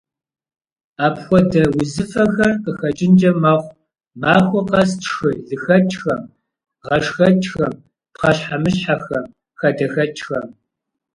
Апхуэдэ узыфэхэр къыхэкӀынкӀэ мэхъу махуэ къэс тшхы лыхэкӀхэм, гъэшхэкӀхэм, пхъэщхьэмыщхьэхэм, хадэхэкӀхэм.